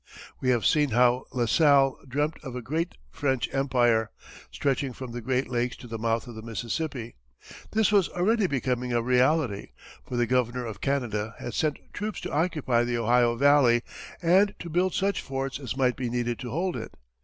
We have seen how La Salle dreamed of a great French empire, stretching from the Great Lakes to the mouth of the Mississippi. This was already becoming a reality, for the governor of Canada had sent troops to occupy the Ohio valley, and to build such forts as might be needed to hold it.